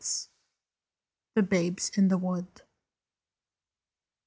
THE BABES IN THE WOOD.